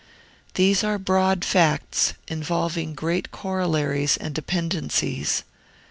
These are broad facts, involving great corollaries and dependencies.